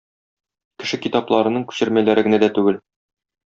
Кеше китапларының күчермәләре генә дә түгел.